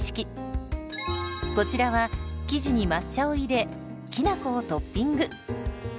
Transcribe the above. こちらは生地に抹茶を入れきなこをトッピング。